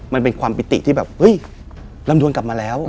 มันเป็นความปิติที่แบบเฮ้ยลำดวนกลับมาแล้ว